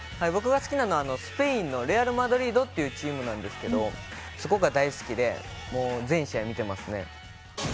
僕が好きなのはスペインのレアル・マドリードっていうチームなんですけどそこが大好きでもう全試合見てますね。